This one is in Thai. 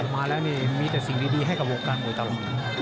มาแล้วมีแต่สิ่งดีให้กับโหกการมวยต่อหลัง